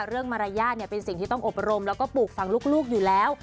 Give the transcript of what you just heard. มารยาทเป็นสิ่งที่ต้องอบรมแล้วก็ปลูกฝั่งลูกอยู่แล้ว